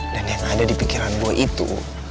dan yang ada di pikiran gue itu